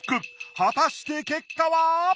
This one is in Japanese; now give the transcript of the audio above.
果たして結果は！？